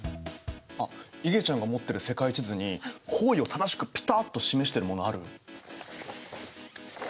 あっいげちゃんが持ってる世界地図に方位を正しくピタッと示してるものある？